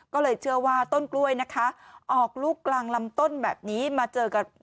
ก็เลยเชื่อว่าต้นกล้วยนะคะออกลูกกลางลำต้นแบบนี้มาเจอกับ